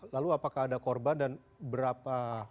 lalu apakah ada korban dan berapa